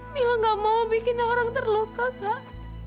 mila gak mau bikin orang terluka kang